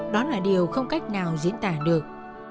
đó là điều không cách nào diễn tả được